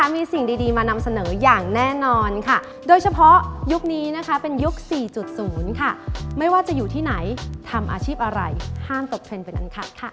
มีสิ่งดีมานำเสนออย่างแน่นอนค่ะโดยเฉพาะยุคนี้นะคะเป็นยุค๔๐ค่ะไม่ว่าจะอยู่ที่ไหนทำอาชีพอะไรห้ามตกเทรนดไปนั้นค่ะ